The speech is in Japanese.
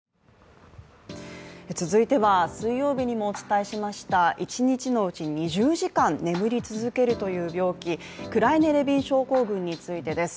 続いては水曜日にもお伝えしました、一日のうち２０時間眠り続けるという病気、クライネ・レビン症候群についてです。